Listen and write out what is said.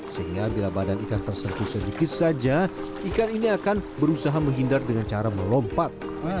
sehingga bila badan ikan terserpu sedikit saja ikan ini akan berusaha menghindar dengan cara melompat